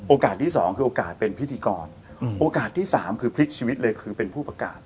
ที่สองคือโอกาสเป็นพิธีกรโอกาสที่สามคือพลิกชีวิตเลยคือเป็นผู้ประกาศ